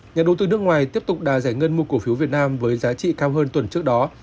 nhà đầu tư nước ngoài tiếp tục đà giải ngân mua cổ phiếu việt nam với giá trị cao hơn tuần trước đó